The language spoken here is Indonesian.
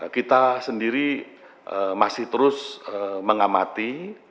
kita sendiri masih terus mengamati